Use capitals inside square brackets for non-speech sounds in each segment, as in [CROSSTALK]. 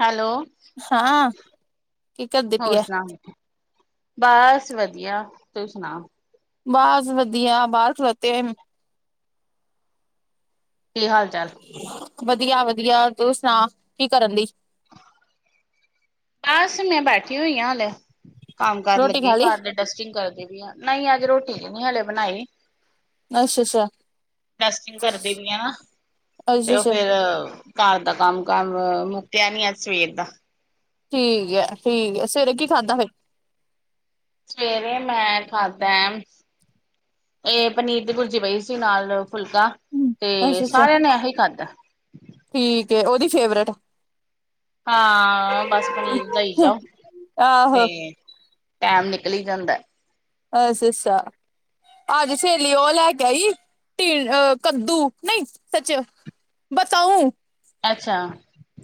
Hello! ਹਾਂ ਕੀ ਕਰਦੀ ਪਈ ਹੋਰ ਹੈ ਸੁਨਾ? ਬਸ ਵਧੀਆ। ਤੂਹੀ ਸੁਨਾਓ? ਬਸ ਵਧੀਆ, ਬਾਹਰ ਖਲੋਤੇ ਏ ਕੀ ਹਾਲ-ਚਾਲ? ਵਧੀਆ- ਵਧੀਆ, ਤੂੰ ਸੁਣਾ ਕੀ ਕਰਨ ਦਈ। ਬਸ ਮੈਂ ਬੈਠੀ ਹੋਈ ਆ ਹਲੇ, ਕੰਮ ਕਰਨ ਰੋਟੀ ਲੱਗੀ ਖਾ ਆਂ ਲਈ ਘਰ ਦੇ। ਡਸਟਿੰਗ ਕਰਦੀ ਪਈ ਆਂ, ਨਹੀਂ ਅੱਜ ਰੋਟੀ ਨੀ ਵੀ ਹਲੇ ਬਣਾਈ। ਅੱਛਾ ਅੱਛਾ ਡਸਟਿੰਗ ਕਰਦੀ ਪਈ ਆ ਨਾ, ਤੇ ਅੱਛਾ ਉਹ ਅੱਛਾ ਫੇਰ ਘਰ ਦਾ ਕੰਮ ਕਾਰ ਮੁੱਕਿਆ ਨੀ, ਅੱਜ ਸਵੇਰ ਦਾ। ਠੀਕ ਐ- ਠੀਕ ਐ, ਸਵੇਰੇ ਕੀ ਖਾਧਾ ਫੇਰ। ਸਵੇਰੇ ਮੈਂ ਖਾਧਾ ਐ ਇਹ ਪਨੀਰ ਦੀ ਭੁਰਜੀ ਪਈ ਸੀ, ਨਾਲ ਫੁਲਕਾ, ਤੇ ਅੱਛਾ ਅੱਛਾ ਸਾਰਿਆਂ ਨੇ ਐਹੀ ਖਾਧਾ। ਠੀਕ ਏ, ਉਹਦੀ ਫੇਵਰੇਟ। ਹਾਂ ਬਸ ਪਨੀਰ ਦਈ ਜਾਓ, ਤੇ ਆਹੋ ਟੈਮ ਨਿਕਲੀ ਜਾਂਦੈ। ਐ ਸਸਾ ਅੱਜ ਸਹੇਲੀ ਉਹ ਲੈ ਕੇ ਆਈ, ਟੀੰ ਕੱਦੂ ਨਹੀਂ ਸੱਚ ਬਤਾਊਂ ਅੱਛਾ,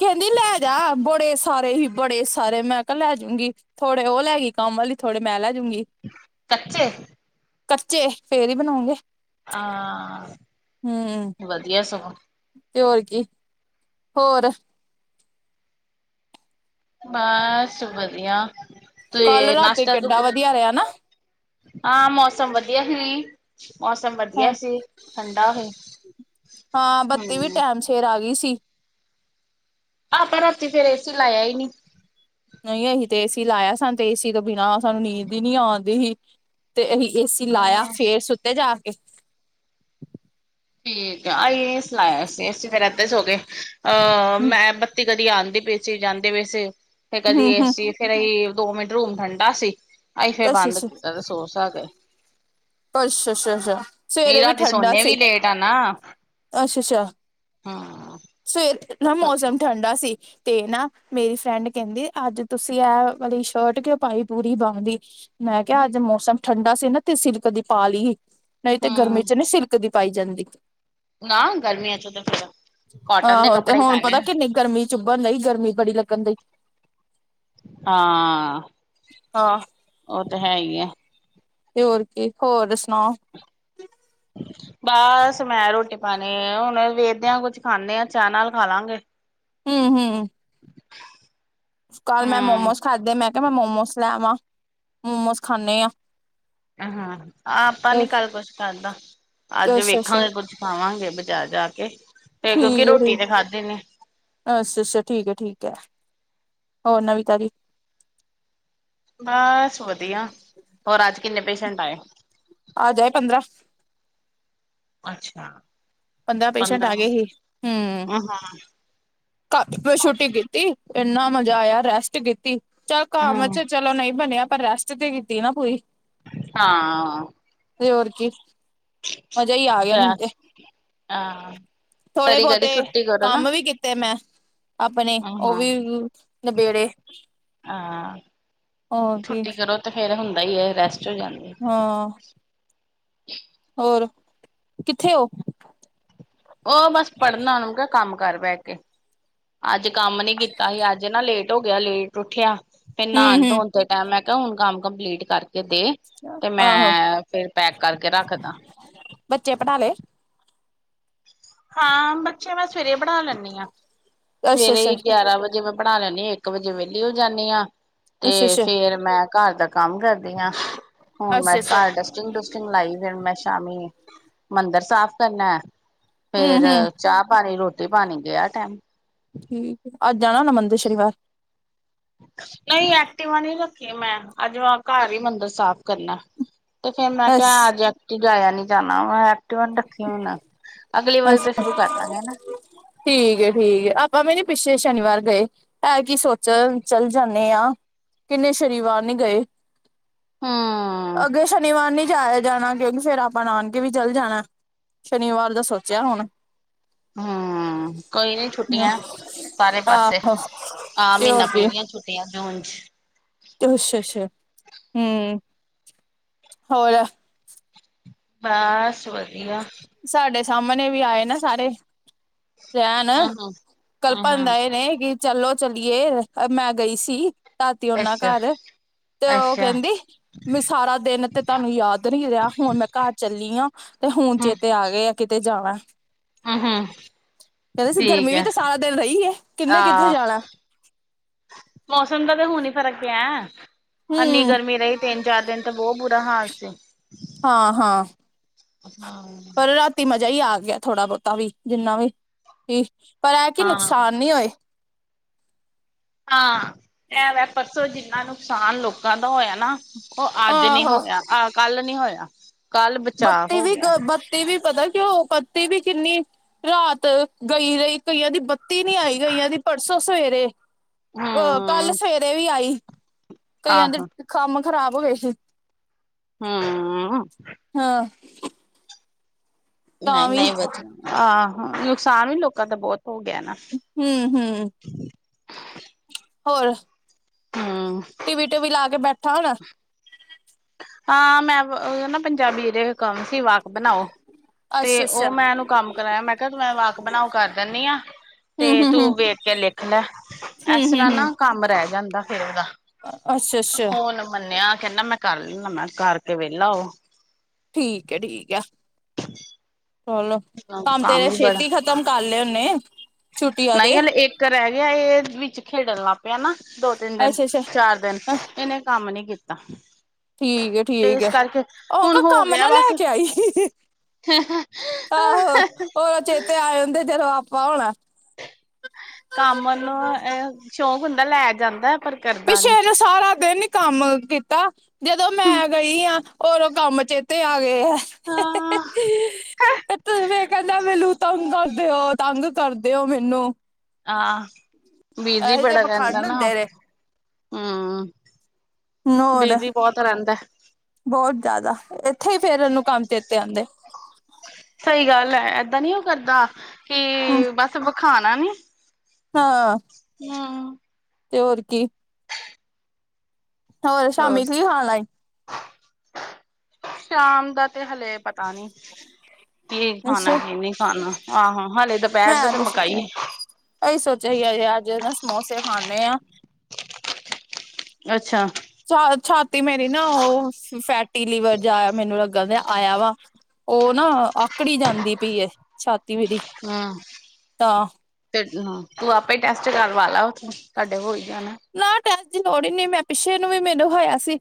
ਕਹਿੰਦੀ ਲੈ ਜਾ, ਬੜੇ ਸਾਰੇ ਹੀ ਬੜੇ ਸਾਰੇ, ਮੈਂ ਕਿਹਾ ਲੈ ਜੂੰਗੀ। ਥੋੜੇ ਉਹ ਲੈ ਗੀ ਕੰਮ ਆਲੀ, ਥੋੜੇ ਮੈਂ ਲੈਜੂੰਗੀ। ਕੱਚੇ ਕੱਚੇ, ਫੇਰ ਹੀ ਬਣਾਉਗੇ। ਆ, ਵਧੀਆ ਸਗੋਂ ਤੇ ਹੋਰ ਕੀ, ਹੋਰ ਬਸ ਵਧੀਆ, ਕੱਲ ਤੇ ਰਾਤੀ ਨਾਸ਼ਤਾ ਕਿੱਡਾ ਕਦੋਂ ਲੱਗ ਵਧੀਆ ਰਿਹਾ ਨਾ ਆ ਮੌਸਮ ਵਧੀਆ ਹੀ ਮੌਸਮ ਹਾਂ ਵਧੀਆ ਸੀ, ਠੰਡਾ ਸੀ, ਹੂੰ। ਫੇਰ ਆਗੀ ਸੀ। ਆਪਾਂ ਰਾਤੀ ਫੇਰ ਏ ਸੀ ਲਾਇਆ ਹੀ ਨੀ। ਨਹੀਂ ਅਸੀਂ ਤੇ ਏਸੀ ਲਾਇਆ, ਸਾਨੂੰ ਤੇ ਏਸੀ ਤੋਂ ਬਿਨਾਂ ਸਾਨੂੰ ਨੀਂਦ ਹੀ ਨਹੀਂ ਆਉਂਦੀ ਸੀ। ਤੇ ਅਸੀਂ ਏਸੀ ਲਾਇਆ, ਹਾਂ ਫੇਰ ਸੁੱਤੇ ਜਾ ਕੇ। ਠੀਕ ਆ, ਅਸੀਂ ਏ ਸੀ ਲਾਇਆ ਸੀ, ਅਸੀਂ ਫੇਰੇ ਏਧਰ ਸੋਗੇ, ਅਹ ਹਮ ਮੈਂ ਬਤੀ ਕਦੀ ਆਂਦੀ ਪਈ ਸੀ, ਜਾਂਦੀ ਪਈ ਸੀ, ਤੇ ਕਦੀ ਹਮ ਹਮ ਏਸੀ ਫੇਰ ਅਸੀ ਦੋ ਮਿੰਟ ਰੂਮ ਠੰਡਾ ਸੀ, ਅਸੀ ਫਿਰ ਅੱਛਾ ਬੰਦ ਅੱਛਾ ਕੀ, ਸੋ ਸਾ ਗੇ। ਅੱਛਾ- ਅੱਛਾ- ਅੱਛਾ ਸਵੇਰੇ ਵੀ ਠੰਡਾ ਸੀ। ਹੈਨਾ ਹੂੰ ਸਵੇਰ ਨਾ ਮੌਸਮ ਠੰਡਾ ਸੀ। ਤੇ ਨਾ ਮੇਰੀ ਫਰੈਂਡ ਕਹਿੰਦੀ, ਅੱਜ ਤੁਸੀਂ ਆਹ ਵਾਲੀ ਸ਼ਰਟ ਕਿਉਂ ਪਾਈ ਪੂਰੀ ਬਾਂਹ ਦੀ। ਮੈਂ ਕਿਹਾ ਅੱਜ ਮੌਸਮ ਠੰਡਾ ਸੀ ਨਾ, ਤੇ ਸਿਲਕ ਦੀ ਪਾ ਲਈ, ਨਹੀਂ ਤੇ ਗਰਮੀ ਹਮ ਚ ਨਹੀਂ ਸਿਲਕ ਦੀ ਪਾਈ ਜਾਂਦੀ। ਨਾ ਗਰਮੀਆਂ ਚ ਤਾਂ ਫਿਰ, ਕੋਟਨ ਦੇ ਆਹੋ ਤੇ ਕੱਪੜੇ ਹੀ ਹੁਣ ਪਾਣੇ ਪਤਾ ਆ। ਕਿੰਨੀ ਗਰਮੀ ਚ ਉਭਣ ਨਹੀ, ਗਰਮੀ ਬੜੀ ਲੱਗਣ ਡਈ। ਹਾਂ, ਹਾਂ। ਉਹ ਤਾਂ ਹੈ ਹੀ ਐ। ਤੇ ਹੋਰ ਕੀ, ਹੋਰ ਸੁਣਾਓ [INAUDIBLE] ਬਸ ਮੈਂ ਰੋਟੀ ਪਾਣੀ, ਆ ਹੁਣ ਵੇਖਦਿਆਂ ਕੁੱਝ ਖਾਂਨੇ ਆਂ, ਚਾਹ ਨਾਲ ਖਾ ਲਾਂਗੇ। ਹੂੰ- ਹੂੰ ਕੱਲ ਮੈਂ ਹਮ ਮੋਮੋਸ ਖਾਧੇ, ਮੈਂ ਕਿਹਾ ਮੈਂ ਮੋਮੋਸ ਲਾਂਵਾਂ, ਮੋਮੋਸ ਖਾਂਨੇ ਆਂ। ਹੂੰ, ਆਪਾਂ ਨੀ ਕੱਲ ਕੁਛ ਕਰਦਾ। ਅੱਜ ਅੱਛਾ-ਅੱਛਾ ਵੇਖਾਂਗੇ, ਕੁੱਝ ਖਾਵਾਂਗੇ ਬਜ਼ਾਰ ਜਾ ਕੇ, ਤੇ ਕਿਉਂਕਿ ਰੋਟੀ ਤੇ ਖਾਧੀ ਨੀ। ਅੱਛਾ- ਅੱਛਾ ਠੀਕ ਐ, ਠੀਕ ਐ, ਹੋਰ ਨਵੀ ਤਾਜੀ। ਬਾਸ ਵਧੀਆ, ਹੋਰ ਅੱਜ ਕਿੰਨੇ ਪੇਸ਼ੈਟ ਆਏ। ਆਜ ਆਏ ਪੰਦਰਾਂ। ਅੱਛਾ, ਪੰਦਰਾਂ ਪੇਸ਼ੈਂਟ ਆ ਗਏ ਸੀ ਹੂੰ। ਹਾਂ ਕਲ ਛੁੱਟੀ ਕੀਤੀ, ਇਨਾ ਮਜ਼ਾ ਆਇਆ ਰੈਸਟ ਕੀਤੀ ਚਲ ਕਮ 'ਚ ਚਲੋ ਨਹੀ ਬਣਿਆ ਪਰ ਰੈਸਟ ਤੇ ਕੀਤੀ ਨਾ ਪੂਰੀ ਹਾਂ, ਤੇ ਹੋਰ ਕੀ ਮਜ਼ਾ ਹੀ ਆ ਗਿਆ ਮੈਨੂੰ ਤੇ ਹਾਂ, ਥੋੜੇ ਬਹੁਤੇ ਕਮ ਵੀ ਕਿਤੇ ਤੇ ਮੈਂ ਆਪਣੇ ਉਹ ਹਾਂ ਵੀ ਨਬੇੜੇ ਹਾਂ ਹੋਰ ਕੀ ਛੁੱਟੀ ਕਰੋ ਤੇ ਫੇਰ ਹੁੰਦਾ ਹੀ ਹੈ, ਰੈਸਟ ਹੋ ਜਾਦੀ ਹਾਂ ਹੋਰ ਕਿੱਥੇ ਔ? ਉਹ ਬਸ ਪੜ੍ਹਨਾ ਉਹਨੂੰ ਕਿਹਾ ਕਮ ਕਰ ਬਹਿ ਕੇ ਅਜ ਕਮ ਨੀ ਕੀਤਾ ਸੀ ਅਜ ਨਾ ਲੇਟ ਹੋ ਗਿਆ, ਲੇਟ ਉਠਿਆ ਫਿਰ ਹਮ ਨਹਾਣ ਧੋਣ ਹਮ ਟੈਮ ਮੈ ਕਿਹਾ ਹੁਣ ਕੰਮ ਕੰਪਲੀਟ ਕਰਕੇ ਦੇ ਤੇ ਮੈ ਆਹੋ ਫਿਰ ਪੈਕ ਕਰਕੇ ਰੱਖਦਾ ਬੱਚੇ ਪੜ੍ਹਾ ਲੇ ਹਾਂ ਬੱਚੇ ਮੈ ਸਵੇਰੇ ਪੜ੍ਹਾ ਲੈਦੀ ਹਾਂ, ਅੱਛਾ ਅੱਛਾ ਸਵੇਰੇ ਅੱਛਾ ਗਿਆਰਾਂ ਵਜੇ ਮੈ ਪੜ੍ਹ ਲੈਦੀ ਹਾ, ਇੱਕ ਵੱਜੇ ਵਿਹਲੀ ਹੋ ਜਾਦੀ ਆ, ਅੱਛਾ ਤੇ ਫੇਰ ਮੈ ਘਰ ਦਾ- ਕੰਮ ਕਰਦੀ ਹਾਂ ਹੁਣ ਮੈਂ ਅੱਛਾ ਅੱਛਾ ਘਰ ਦ ਟਟਿੰਗ ਟੂਸਟਿੰਗ ਲਾਈ ਫਿਰ ਮੈਂ ਸ਼ਾਮੀ ਮੰਦਿਰ ਸਾਫ ਕਰਨਾ ਫੇਰ ਹਮ ਹਮ ਚਾਹ ਪਾਣੀ ਰੋਟੀ ਪਾਣੀ ਗਿਆ ਟਾਈਮ ਠੀਕ ਐ, ਅੱਜ ਜਾਣਾ ਨਾ ਮੰਦਿਰ ਸ਼ਨੀਵਾਰ ਨਹੀ ਐਕਟਿਵਾ ਨਹੀ ਰੱਖੀਆਂ, ਮੈ ਅਜ ਘਰ ਹੀ ਮੰਦਿਰ ਸਾਫ਼ ਕਰਨਾ ਤੇ ਫੇਰ ਮੈ ਅਸ ਕਿਹਾ ਅੱਜ ਐਕਟਿਵਾ ਜਾਇਆ ਨੀ ਜਾਣਾ ਮੈਂ ਐਕਟਿਵ ਰੱਖੇ ਹੋਨਾ ਅਗਲੀ ਵਾਰੀ ਅਸ ਤੋਂ ਸ਼ੁਰੂ ਕਰ ਦਾਗੇ ਨਾ, ਠੀਕ ਏ ਠੀਕ ਆਪਾ ਵੀ ਨੀ ਪਿੱਛੇ ਸ਼ਨੀਵਾਰ ਗਏ ਇਹ ਕੀ ਸੋਚਿਆ ਚੱਲ ਜਾਂਦੇ ਆ, ਕਿਨੇ ਸ਼ਨੀਵਾਰ ਨੀ ਗਏ ਹੂੰ ਅੱਗੇ ਸ਼ਨੀਵਾਰ ਨੀ ਜਾਇਆ ਜਾਣਾ, ਕਿਉਕਿ ਫੇਰ ਆਪਾ ਨਾਨਕੇ ਵੀ ਚਲ ਜਾਣਾ ਸ਼ਨੀਵਾਰ ਦਾ ਸੋਚਿਆ ਹੁਣ ਹੂੰ ਕੋਈ ਨੀ ਛੁੱਟੀਆਂ ਸਾਰੇ-ਪਾਸੇ ਆਹੋ ਹਾਂ ਤੇ ਮਹੀਨਾ ਹੋਰ ਪੂਰੀਆਂ ਛੁੱ ਤੇ ਆ ਨਾ ਉਂਜ ਤੈਨੂੰ ਅੱਛਾ-ਅੱਛਾ ਹੂੰ, ਹੋਰ? ਬਸ ਵਧੀਆ। ਸਾਡੇ ਸਾਮਣੇ ਵੀ ਆਏ ਨਾ ਸਾਰੇ। ਰੇਣ ਆਹੋ ਕਲਪਨ ਆਹਾ ਦਏ ਨੇ ਕੀ, ਚੱਲੋ ਚੱਲੀਏ, ਮੈਂ ਗਈ ਸੀ ਧਾਤੀ ਓਨਾ ਅੱਛਾ ਘਰ। ਤੇ ਔ ਅੱਛਾ ਕੈਂਦੀ ਮੈਂ ਸਾਰਾ ਦਿਨ ਤੇ ਤੁਹਾਨੂੰ ਯਾਦ ਨੀ ਰਿਆ, ਹੁਣ ਮੈਂ ਘਰ ਚੱਲੀ ਆ ਤੇ ਹੁਣ ਚੇ ਹੂੰ ਆ ਗਏ ਆ ਕਿਤੇ ਜਾਣਾ। ਹੂੰ ਹੂੰ ਕੈਂਦੇ ਸੀ ਠੀਕ ਗਰਮੀ ਵੀ ਹੈ ਤੇ ਸਾਰਾ ਦਿਨ ਰਈ ਏ, ਕਿੰਨੇ ਕਿੱਥੇ ਆਹ ਜਾਣਾ। ਮੌਸਮ ਦਾ ਤਾਂ ਹੁਣੀ ਹੀ ਫਰਕ ਪਿਆ। ਅਨੀ ਹਮ ਗਰਮੀ ਰਈ ਤਿੰਨ-ਚਾਰ ਦਿਨ ਤੇ ਬੋ ਬੁਰਾ ਹਾਲ ਸੀ। ਹਾਂ-ਹਾਂ, ਹਾਂ। ਤੀ ਮਜ਼ਾ ਈ ਆ ਗਿਆ, ਥੋੜਾ ਬੋਤਾ ਵੀ ਜਿੰਨਾ ਵੀ ਕੀ ਪਰ ਐ ਕੀ ਹਾਂ, ਨੁਕਸਾਨ ਨੀ ਹੋਏ। ਹਾਂ ਐ ਵੈ ਪਰਸੋਂ ਜਿੰਨਾ ਨੁਕਸਾਨ ਲੋਕਾਂ ਦਾ ਹੋਇਆ ਨਾ ਉਹ ਅੱਜ ਨੀ ਆਹੋ ਹੋਇਆ ਕੱਲ ਨੀ ਹੋਇਆ। ਕੱਲ ਬਚਾਅ ਬੱਤੀ ਹੋ ਵੀ ਗਿਆ। ਗ ਬੱਤੀ ਵੀ ਪਤਾ ਕਿਉ। ਬੱਤੀ ਵੀ ਕਿੰਨੀ ਰਾਤ ਗਈ, ਰਈ ਕਈਆਂ ਦੀ ਬੱਤੀ ਨੀ ਆਈ ਕਈਆਂ ਦੀ ਪਰਸੋਂ ਸਵੇਰੇ ਅ ਕੱਲ ਹੂੰ। ਸਵੇਰੇ ਵੀ ਆਈ ਕਈਆਂ ਦੀ ਆਹੋ ਕੰਮ ਖ਼ਰਾਬ ਹੋ ਗਿਆ ਸੀ। ਹੂੰ -ਹੂੰ। ਹਾਂ। ਤਾਂ ਵੀ ਨਹੀਂ-ਨਹੀ, ਵਧੀਆ, ਆਹਾਂ ਨੁਕਸਾਨ ਵੀ ਲੋਕਾਂ ਦਾ ਬਹੁਤ ਹੋ ਗਿਆ ਨਾ। ਹੂੰ-ਹੂੰ, ਹੋਰ? ਹੂੰ। ਟੀਵੀ-ਟੀਵੀ ਲਾ ਕੇ ਬੈਠਾ ਹੋਣਾ। ਹਾਂ ਮੈਂ ਵ ਓਦਾ ਨਾ ਪੰਜਾਬੀ ਦੇ ਕੰਮ ਸੀ ਵਾਕ ਬਣਾਓ। ਤੇ ਅੱਛਾ ਓ ਅੱਛਾ ਮੈਂ ਏਨੂੰ ਕੰਮ ਕਰਾਇਆ ਮੈਂ ਕਿਹਾ ਤੂੰ ਮੈਂ ਵਾਕ ਬਣਾਓ ਕਰ ਦਿੰਦੀ ਆ। ਤੇ ਹੂੰ ਹੂੰ ਹੂੰ ਤੂੰ ਵੇਖ ਕੇ ਲਿਖ ਲੈ, ਹੂੰ ਐਸ ਤਰ੍ਹਾਂ ਨਾ ਕੰਮ ਰਹਿ ਜਾਂਦਾ ਫੇਰ ਓ। ਅੱਛਾ-ਅੱਛਾ ਮੰਨਿਆ, ਕਹਿੰਦਾ ਮੈਂ ਕਰ ਲੂੰਗਾ, ਮੈਂ ਕਿਹਾ ਕਰਕੇ ਵੇਲਾ ਹੋ। ਠੀਕ ਐ, ਠੀਕ ਐ ਚਲੋ, ਕੰਮ ਤੇਰੇ ਹੀ ਬੜਾ ਛੇਤੀ ਖਤਮ ਕਰ ਲਏ ਹੋਣੇ। ਨਹੀ, ਹਲੇ ਇੱਕ ਰਹਿ ਗਿਆ ਏ ਵਿੱਚ ਖੇਡਣ ਲੱਗ ਪਿਆ ਨਾ, ਦੋ- ਤਿੰਨ ਦਿਨ, ਅੱਛਾ ਚਾਰ ਦਿਨ ਅੱਛਾ ਏਨੇ ਕੰਮ ਨੀ ਕੀਤਾ। ਠੀਕ ਐ ਤੇ ਠੀਕ ਇਸ ਐ ਕਰਕੇ ਓ ਹੁਣ ਕੰਮ ਨਾ ਲੈ ਕੇ ਆਈ। ਹ-ਹ-ਹ ਆਹੋ ਓਹ ਚੇਤੇ ਆਏ ਹੁੰਦੇ ਜਦੋਂ ਆਪਾਂ। ਹੋਣਾ ਕੰਮ ਨੂੰ ਐ ਸ਼ੌਕ ਹੁੰਦਾ ਲੈ ਜਾਂਦਾ। ਪਰ ਕਰਦਾ ਪਿੱਛੇ ਨੀ ਏਨੇ ਸਾਰਾ ਦਿਨ ਕੰਮ ਕੀਤਾ ਜਦੋਂ ਮੈਂ ਗਈ ਆ ਓਦੋਂ ਕੰਮ ਚੇਤੇ ਤੇ ਆ ਗੇ। ਹਾਂ ਤੇ ਤੇਵੇ ਕਹਿੰਦਾ ਮੈਨੂੰ ਤੰਗ ਕਰ ਦਿਓ, ਤੰਗ ਕਰ ਦਿਓ ਮੈਨੂੰ। ਆ, ਬਿਜੀ ਇਹੋ ਜਿਹੇ ਬੜਾ ਰਹਿੰਦਾ ਪਖੰਡ ਨਾ ਓ ਹੁੰਦੇ ਨੇ ਹੂੰ। ਨੋਡ ਬਿਜੀ ਬਹੁਤ ਰਹਿੰਦਾ ਬਹੁਤ ਜਿਆਦਾ, ਏਥੇ ਈ ਫੇਰ ਓਨੂੰ ਕੰਮ ਚੇਤੇ ਆਉਂਦੇ। ਸਹੀ ਗੱਲ ਐ ਏਦਾਂ ਨੀ ਓ ਕਰਦਾ, ਕੀ ਹਮ ਬਸ ਵਿਖਾਉਣਾ ਨੀ। ਹਾਂ। ਹੂੰ। ਤੇ ਹੋਰ ਕੀ। ਹੋਰ ਸ਼ਾਮੀ [INAUDIBLE] ਸ਼ਾਮ ਦਾ ਤੇ ਹਲੇ ਪਤਾ ਨੀ, ਕੀ ਖਾਣਾ ਅੱਛਾ ਕੀ ਨਹੀ ਖਾਣਾ ਆਹੋ ਹਾਲੇ ਤਾਂ ਮੈਂ ਅਜ ਸੋਚਿਆ ਅਸੀ ਸੋਚਿਆ ਅਜੇ ਅੱਜ ਸਮੋਸੇ ਖਾਣੇ ਆ ਅੱਛਾ ਛਾ ਛਾਤੀ ਮੇਰੀ ਨਾ ਉਹ ਫੈਟੀ ਲਿਵਰ ਜਾ ਮੈਨੂੰ ਲੱਗ ਆਇਆ ਵਾ ਉਹ ਨਾ ਆਕੜੀ ਜਾਂਦੀ ਪਈ, ਛਾਤੀ ਮੇਰੀ, ਹਮ ਤਾਂ ਤੇ ਤੂੰ ਆਪੇ ਹੀ ਟੈਸਟ ਕਰਵਾ ਲਾ ਉਥੋ, ਤੁਹਾਡੇ ਹੋ ਹੀ ਜਾਣਾ ਨਾ ਟੈਸਟ ਦੀ ਲੋੜ ਹੀ ਨ ਮੈਂ ਪਿੱਛੇ ਨੂੰ ਵੀ ਮੈਨੂੰ ਹੋਇਆ ਸੀ,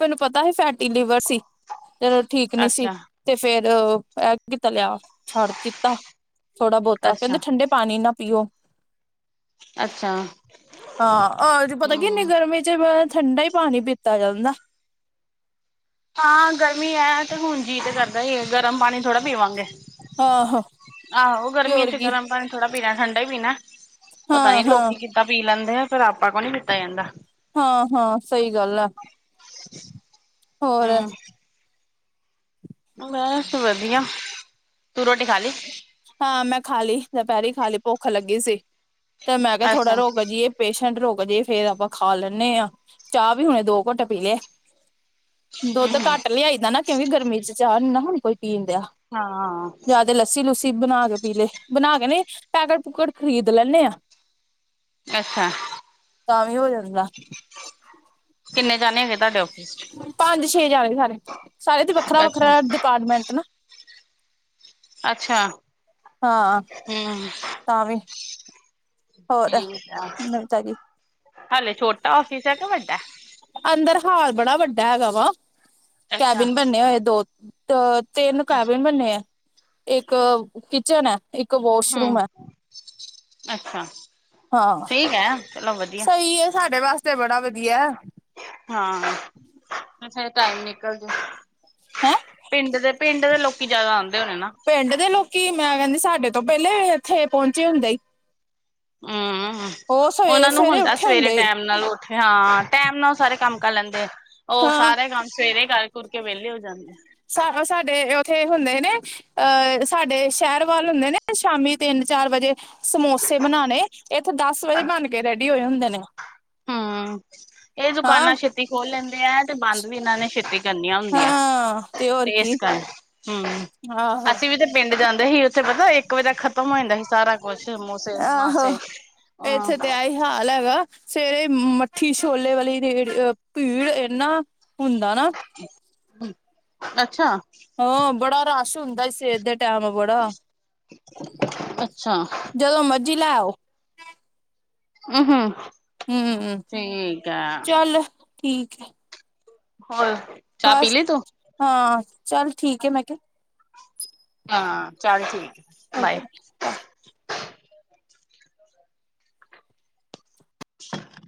ਮੈਨੂੰ ਪਤਾ ਹੀ ਫੈਟੀ ਲੀਵਰ ਸੀ ਚਲੋ ਠੀਕ ਨੀ ਸੀ, ਅੱਛਾ ਤੇ ਫੇਰ ਇਹ ਐਤਕੀ ਤਲਿਆ ਛੱਡ ਦਿੱਤਾ ਥੋੜਾ ਬਹੁਤਾ, ਕਹਿੰਦੇ ਅੱਛਾ ਠੰਡੇ ਪਾਣੀ ਨਾ ਪੀਓ ਅੱਛਾ ਆਹ ਪਤਾ ਕੀ ਇੰਨੀ ਹਮ ਗਰਮੀ ਚ ਮੈਂ ਠੰਡਾ ਹੀ ਪਾਣੀ ਪੀਤਾ ਜਾਂਦਾ ਹਾਂ ਗਰਮੀ ਹੈ ਤੇ ਹੁਣ ਜੀਅ ਤੇ ਕਰਦਾ ਹੀ ਗਰਮ ਪਾਣੀ ਥੋੜਾ ਪੀਵਾਂਗੇ ਆਹ ਹੋ ਆਹੋ ਗਰਮੀਆਂ ਚ ਗਰਮ ਪਾਣੀ ਥੋੜਾ ਪੀਣਾ, ਠੰਡਾ ਹੀ ਪੀਣਾ ਪਤਾ ਹਾਂ ਨੀ ਹਾਂ ਲੋਕੀ ਕਿ ਤਾਂ ਪੀ ਲੈਂਦੇ ਆ ਫਿਰ ਆਪਾਂ ਕੋਲ ਨੀ ਪੀਤਾ ਜਾਂਦਾ ਹਾਂ- ਹਾਂ ਸਹੀ ਗੱਲ ਆ ਹੋਰ ਮੈਂ ਸ ਵਧੀਆ, ਤੂੰ ਰੋਟੀ ਖਾ ਲਈ ਹਾਂ ਮੈਂ ਖਾਲੀ ਦੁਪਹਿਰੀ ਖਾਲੀ ਭੁੱਖ ਲੱਗੀ ਸੀ, ਤੇ ਮੈਂ ਕਿਹਾ ਅੱਛਾ, ਥੋੜਾ ਰੋਕ ਜਈਏ ਪੇਸ਼ੈਂਟ ਰੁਕ ਜੇ ਫੇਰ ਆਪਾਂ ਖਾ ਲੈਂਦੇ ਹਾਂ ਚਾਹ ਵੀ ਹੁਣੇ ਦੋ ਘੰਟੇ ਪੀ ਲਏ ਦੁੱਧ ਘੱਟ ਲਿਆਈਦਾ ਨਾ ਕਿਉਂਕਿ ਗਰਮੀ ਚ ਚਾਹ ਨੀ ਨਾ ਹੁਣ ਕੋਈ ਪੀਣ ਦਿਆ ਹਾਂ ਦੇ ਲੱਸੀ ਲੁੱਸੀ ਬਣਾ ਕੇ ਪੀ ਲੈਂਦੇ ਹਾਂ ਬਣਾ ਕੇ ਨਹੀਂ ਪੈਕਟ ਪੂਕਟ ਖਰੀਦ ਲੈਂੇ ਆਾਂ ਅੱਛਾ ਤਾਂ ਵੀ ਹੋ ਜਾਂਦਾ ਕਿੰਨੇ ਜਾਣੇ ਹੈਗੇ ਤੁਹਾਡੇ ਆਫਿਸ ਚ? ਪੰਜ ਛੇ ਜਾਣੇ ਸਾਰੇ ਸਾਰੇ ਤੇ ਵੱਖਰਾ ਅੱਛਾ, ਵੱਖਰਾ ਡਿਪਾਰਟਮੈਂਟ ਨਾ ਅੱਛਾ ਹਾਂ ਹਮ ਤਾਂ ਵੀ ਹੋਰ ਠੀਕ ਆ ਨਵਤਾ ਜੀ ਹਲੇੇ ਛੋਟਾ ਫਿਸ ਹੈ ਕਿ ਵੱਡਾ ਅੰਦਰ ਹਾਲ ਬੜਾ ਵੱਡਾ ਹੈਗਾ ਵਾ ਅੱਛਾ, ਕੈਬਿਨ ਬੰਨੇ ਹੋਏ ਦੋ ਤੇਿੰਨ ਕਵੇਨ ਬਣੇ ਆ ਇੱਕ ਕਿਚਨ ਹੈ ਇੱਕ ਵਾਸ਼ਰੂਮ ਹੂੰ, ਹੈ ਅੱਛਾ। ਹਾਂ ਠੀਕ ਚਲੋ ਵਧੀ ਸਹੀ ਹੈ ਸਾਡੇ ਵਾਸਤੇ ਬੜਾ ਵਧੀਆ ਹਾਂ ਫਿਰ ਟਾਈਮ ਨਿਕਲ ਜਾ ਹੈਂ ਪਿੰਡ ਦੇ ਪਿੰਡ ਦੇ ਲੋਕ ਜਿਆਦਾ ਆਉਂਦੇ ਹੋਣੇ ਨਾ ਪਿੰਡ ਦੇ ਲੋਕੀ ਮੈਂ ਕਹਿੰਦੀ ਸਾਡੇ ਤੋਂ ਪਹਿਲੇ ਇੱਥੇ ਪਹੁੰਚੇ ਹੁੰਦੇ ਸੀ ਹਮ ਉਹਨਾਂ ਸਵੇਰੇ ਨੂੰ ਸਵੇਰੇ ਹੁੰਦਾ ਉੱਠੇ ਸਵੇਰੇ ਹੁੰਦੇ ਟੈਮ ਨਾਲ ਹਾਂ ਟੈਮ ਨਾਲ ਉਹ ਸਾਰੇ ਕੰਮ ਕਰ ਲੈਂਦੇ ਆ ਉਹ ਹਾਂ ਸਾਰਾ ਕੰਮ ਸਵੇਰੇ ਕਰ ਕੁਰ ਕੇ ਵਿਹਲੇ ਹੋ ਜਾਂਦੇ ਆ ਇਸ ਹਿਸਾਬ ਸਾਡੇ ਉੱਥੇ ਹੁੰਦੇ ਨੇ ਅਹ ਸਾਡੇ ਸ਼ਹਿਰ ਵੱਲ ਹੁੰਦੇ ਨੇ ਸ਼ਾਮੀ ਤਿੰਨ ਚਾਰ ਵਜੇ ਸਮੋਸੇ ਬਣਾਉਣੇ ਇੱਥੇ ਦਸ ਵਜੇ ਬਣ ਕੇ ਰੈਡੀ ਹੋਏ ਹੁੰਦੇ ਨੇ ਹਾਂ ਇਹ ਹਾਂ ਦੁਕਾਨਾਂ ਛੇਤੀ ਖੋਲ ਲੈਂਦੇ ਆ ਤੇ ਬੰਦ ਵੀ ਇਹਨਾਂ ਨੇ ਛੇਤੀ ਕਰਨੀੀਆਂ ਹੁੰਦੀਆਂ ਹਾਂ ਹੋਰ ਤੇ ਇਸ ਕੀ ਕਰ ਹਮ ਆਹੋ ਅਸੀਂ ਵੀ ਤੇ ਪਿੰਡ ਜਾਂਦੇ ਸੀ ਉੱਥੇ ਪਤਾ ਇੱਕ ਇਕ ਵਜ ਤ ਖਤਮ ਹੋ ਜਾਂਦਾ ਸੀ ਸਾਰਾ ਕੁਛ, ਸਮੂਸੇ ਆਹੋ ਮਾਸੇ ਹਮ। ਇੱਥੇ ਤੇ ਇਹੀ ਹਾਲ ਹੈਗਾ, ਸਵੇਰੇ ਮੱਠੀ ਛੋਲੇ ਵਾਲੀ ਰੇੜ, ਭੀੜ ਇਨਾ! ਹੁੰਦਾ ਨਾ? ਅੱਛਾ। ਹਾਂ, ਬੜਾ ਰਸ਼ ਹੁੰਦਾ ਸਵੇਰ ਦੇ ਟਾਈਮ, ਬੜਾ! ਅੱਛਾ ਜਦੋਂ ਮਰਜੀੀ ਲੈਓ। ਹਮ, ਹਮ। ਹਮ, ਚੱਲ, ਠੀਕ ਹੈ। ਹਾਂ [UNINTELLIGIBLE] ਬਸ, ਹਾਂ, ਚੱਲ, ਠੀਕ ਹੈ, ਮੈਂ ਕਿਹਾ। ਹਾਂ, ਚੱਲ, ਠੀਕ ਹੈ, ਬਾਏ। ਹ [UNINTELLIGIBLE] ਬਾਏ [UNINTELLIGIBLE]